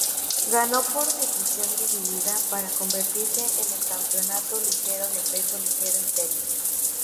Ganó por decisión dividida para convertirse en el Campeonato Ligero de peso ligero interino.